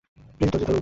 Please ধৈর্য ধরুন।